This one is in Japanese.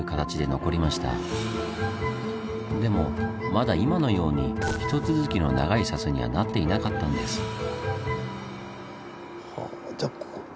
でもまだ今のように一続きの長い砂州にはなっていなかったんです。